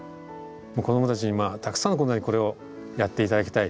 子供たちにたくさんの子供にこれをやって頂きたい。